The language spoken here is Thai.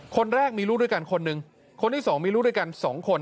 คนแรกมีลูกด้วยกันคนหนึ่งคนที่สองมีลูกด้วยกันสองคน